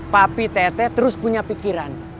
papi tete terus punya pikiran